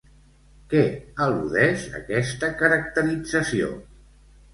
Què al·ludeix aquesta caracterització?